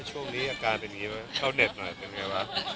ช่วงนี้อาการเป็นอย่างมือน้้อย